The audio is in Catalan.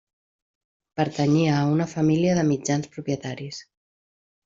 Pertanyia a una família de mitjans propietaris.